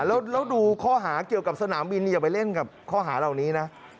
แล้วดูข้อหาเกี่ยวกับสนามบินอย่าไปเล่นกับข้อหาเหล่านี้นะ